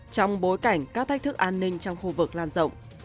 trong bối cảnh các thách thức an ninh trong khu vực lan rộng